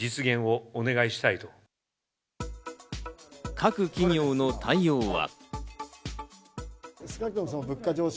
各企業の対応は。